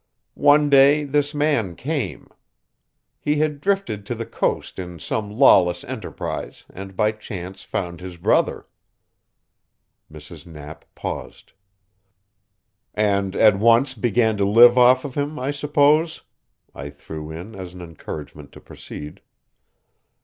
One day this man came. He had drifted to the coast in some lawless enterprise, and by chance found his brother." Mrs. Knapp paused. "And at once began to live off of him, I suppose," I threw in as an encouragement to proceed.